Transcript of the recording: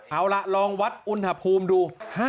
เอาล่ะลองวัดอุณหภูมิดู